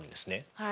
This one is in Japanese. はい。